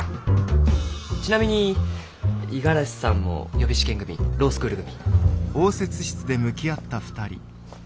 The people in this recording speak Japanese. ちなみに五十嵐さんも予備試験組？ロースクール組？